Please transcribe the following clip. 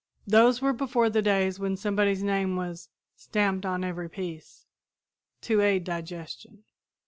Those were before the days when somebody's name was "stamped on every piece" to aid digestion.